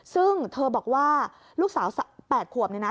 ซึ่งเธอบอกว่าลูกสาว๘ขวบเนี่ยนะ